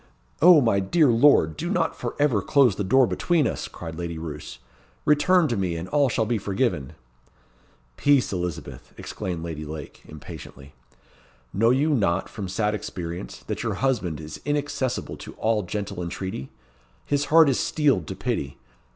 "O, my dear lord! do not for ever close the door between us!" cried Lady Roos. "Return to me, and all shall be forgiven." "Peace, Elizabeth!" exclaimed Lady Lake, impatiently. "Know you not, from sad experience, that your husband is inaccessible to all gentle entreaty? His heart is steeled to pity.